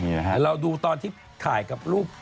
นี่นะฮะเราดูตอนที่ถ่ายกับรูป